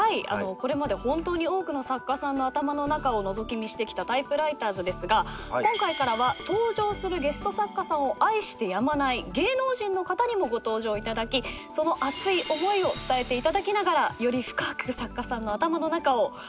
これまで本当に多くの作家さんの頭の中をのぞき見してきた『タイプライターズ』ですが今回からは登場するゲスト作家さんを愛してやまない芸能人の方にもご登場いただきその熱い思いを伝えていただきながら。